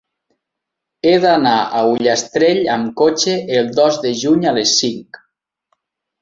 He d'anar a Ullastrell amb cotxe el dos de juny a les cinc.